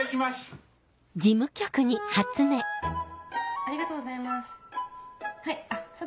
ありがとうございますはいあっ